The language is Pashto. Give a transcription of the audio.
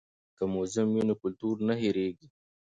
که موزیم وي نو کلتور نه هیریږي.